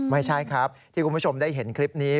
ไม่ใช่ครับที่คุณผู้ชมได้เห็นคลิปนี้